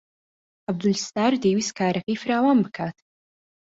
عەبدولستار دەیویست کارەکەی فراوان بکات.